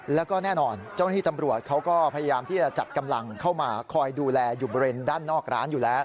แล้วก็แน่นอนเจ้าหน้าที่ตำรวจเขาก็พยายามที่จะจัดกำลังเข้ามาคอยดูแลอยู่บริเวณด้านนอกร้านอยู่แล้ว